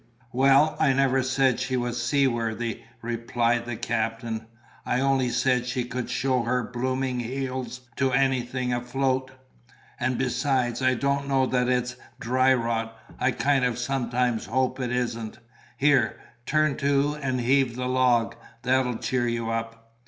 "Well, I never said she was seaworthy," replied the captain: "I only said she could show her blooming heels to anything afloat. And besides, I don't know that it's dry rot; I kind of sometimes hope it isn't. Here; turn to and heave the log; that'll cheer you up."